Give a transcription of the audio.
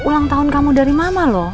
itu ulang tahun kamu dari mama lho